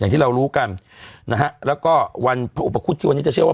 ที่เรารู้กันนะฮะแล้วก็วันพระอุปคุฎที่วันนี้จะเชื่อว่า